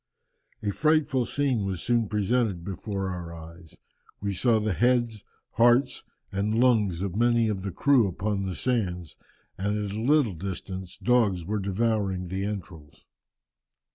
"A frightful scene was soon presented before our eyes. We saw the heads, hearts, and lungs of many of the crew upon the sands, and at a little distance dogs were devouring the entrails."